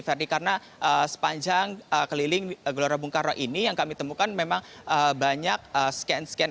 verdi karena sepanjang keliling gelora bungkara ini yang kami temukan memang banyak scan scan